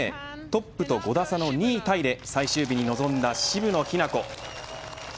トップと５打差の２位タイで最終日に臨んだ渋野日向子。